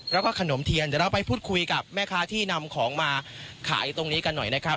แล้วก็ขนมเทียนเดี๋ยวเราไปพูดคุยกับแม่ค้าที่นำของมาขายตรงนี้กันหน่อยนะครับ